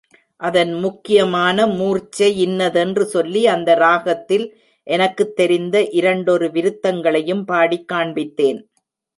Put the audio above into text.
அதன் முக்கியமான மூர்ச்சையின்னதென்று சொல்லி, அந்த ராகத்தில் எனக்குத் தெரிந்த இரண்டொரு விருத்தங்களையும் பாடிக் காண்பித்தேன்.